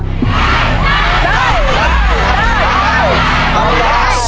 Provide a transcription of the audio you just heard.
ได้ได้ได้ได้